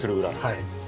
はい。